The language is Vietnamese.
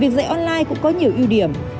việc dạy online cũng có nhiều ưu điểm